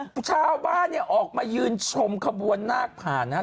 ผู้ชาวบ้านออกมายืนชมขบวนแห่นาคผ่านนะครับ